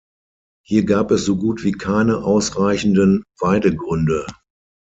Hier gab es so gut wie keine ausreichenden Weidegründe.